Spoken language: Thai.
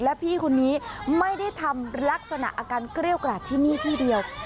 และพี่คนนี้ไม่ได้ทำลักษณะอาการเกรี้ยวกราดที่นี่ที่เดียว